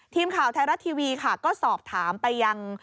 ทีมข่าวไทยรัฐทีวีค่ะก็สอบถามไปยัง